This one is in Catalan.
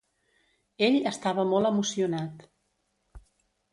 Ell estava molt emocionat.